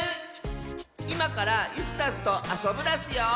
いまから「イスダス」とあそぶダスよ！